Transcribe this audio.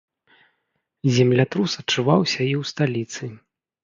Землятрус адчуваўся і ў сталіцы.